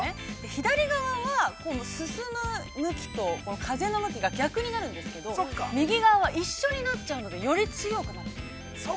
左側は、進む向きと、風の向きが逆になるんですけど、右側は一緒になっちゃうので、より強くなる。